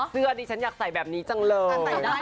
ดิฉันอยากใส่แบบนี้จังเลย